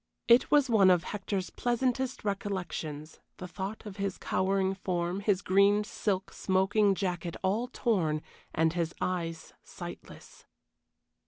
It was one of Hector's pleasantest recollections, the thought of his cowering form, his green silk smoking jacket all torn, and his eyes sightless.